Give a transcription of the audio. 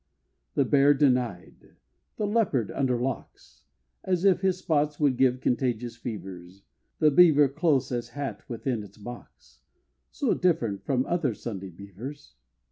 The bear denied! the Leopard under locks! As if his spots would give contagious fevers; The Beaver close as hat within its box; So different from other Sunday beavers!